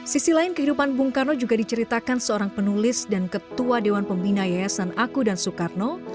sisi lain kehidupan bung karno juga diceritakan seorang penulis dan ketua dewan pembina yayasan aku dan soekarno